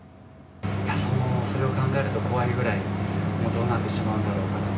それを考えると怖いぐらい、もうどうなってしまうんだろうかと。